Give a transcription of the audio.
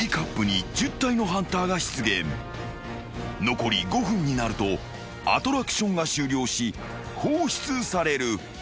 ［残り５分になるとアトラクションが終了し放出される］